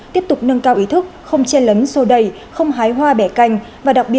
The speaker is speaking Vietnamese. tại thủ đô hà nội